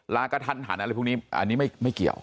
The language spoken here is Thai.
กระทันหันอะไรพวกนี้อันนี้ไม่เกี่ยว